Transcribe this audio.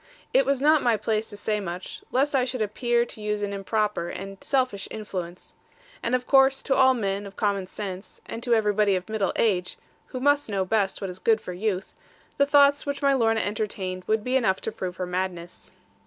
It was not my place to say much, lest I should appear to use an improper and selfish influence. And of course to all men of common sense, and to everybody of middle age (who must know best what is good for youth), the thoughts which my Lorna entertained would be enough to prove her madness.